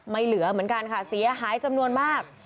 เหลือเหมือนกันค่ะเสียหายจำนวนมาก